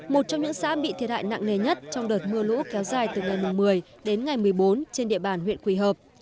một trong những xã bị thiệt hại nặng nề nhất trong đợt mưa lũ kéo dài từ ngày một mươi đến ngày một mươi bốn trên địa bàn huyện quỳ hợp